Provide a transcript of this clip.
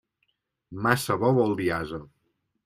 Massa bo vol dir ase.